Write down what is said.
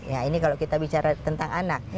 ya ini kalau kita bicara tentang anak